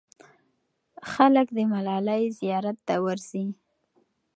خلک د ملالۍ زیارت ته ورځي.